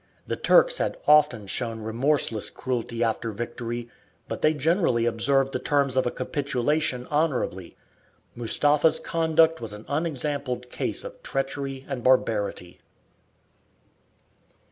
The Turks had often shown remorseless cruelty after victory, but they generally observed the terms of a capitulation honourably. Mustapha's conduct was an unexampled case of treachery and barbarity.